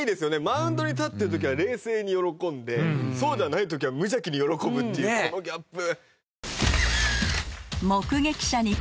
マウンドに立ってる時は冷静に喜んでそうじゃない時は無邪気に喜ぶっていうこのギャップ。